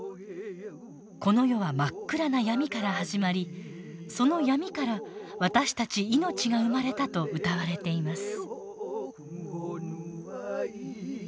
この世は真っ暗な闇から始まりその闇から私たち命が生まれたと歌われています。